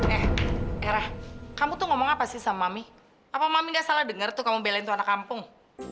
eh era kamu tuh ngomong apa sih sama mami apa mami gak salah dengar tuh kamu belain tuh anak kampung